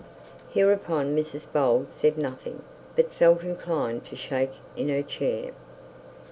Hereupon Mrs Bold said nothing, but felt inclined to shake in her chair.